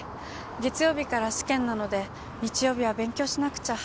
月曜日から試験なので日曜日は勉強しなくちゃ。